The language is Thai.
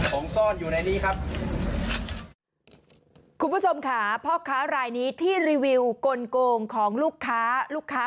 ผมซ่อนอยู่ในนี้ครับคุณผู้ชมค่ะพ่อค้ารายนี้ที่รีวิวกลงของลูกค้าลูกค้า